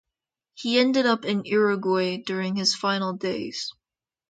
He ended up in Uruguay during his final days.